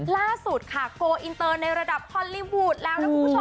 ล่าสุดค่ะโกลอินเตอร์ในระดับฮอลลี่วูดแล้วนะคุณผู้ชม